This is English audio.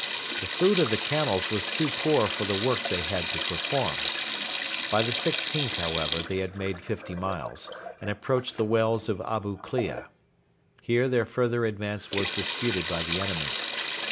The food of the camels was too poor for the work they had to perform. By the 16th, however, they had made fifty miles, and approached the wells of Abu Klea. Here their further advance was disputed by the enemy.